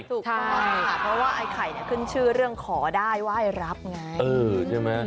เพราะว่าไอ้ไข่ขึ้นชื่อเรื่องขอได้ไว้รับไง